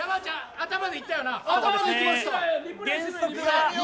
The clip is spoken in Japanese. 頭でいきましたよ。